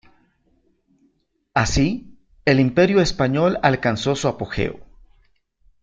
Así, el Imperio español alcanzó su apogeo.